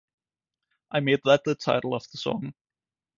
I made that the title of the song.